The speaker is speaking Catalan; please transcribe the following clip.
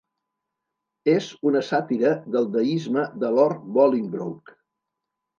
És una sàtira del deisme de Lord Bolingbroke.